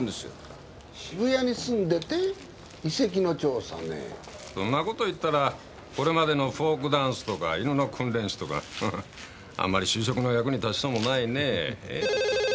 渋谷に住んでて遺跡の調査ねぇそんなこと言ったらこれまでのフォークダンスとか犬の訓練士とかフフッあんまり就職の役に立ちそうもないね・